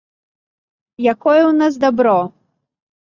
Якое ў нас дабро?